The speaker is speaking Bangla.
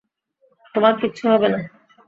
তোমার কিচ্ছু হবে না।